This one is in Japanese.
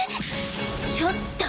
ちょっと。